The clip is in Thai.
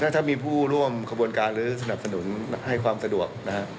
ถ้ามีผู้ร่วมขบวนการหรือสนับสนุนให้ความสะดวกนะครับ